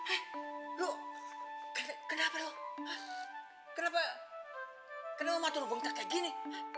eh lo kenapa lo kenapa kenapa matur bengkak kayak gini